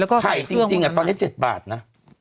แล้วก็ขายจริงอ่ะตอนเจ็บบาทน่ะ